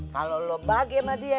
kalau lu bagi sama dia